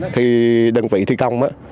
thì đơn vị thi công